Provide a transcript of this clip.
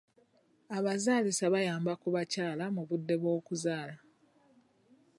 Abazaalisa bayamba ku bakyala mu budde bw'okuzaala.